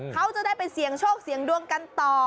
เขาจะได้ไปเสี่ยงโชคเสี่ยงดวงกันต่อ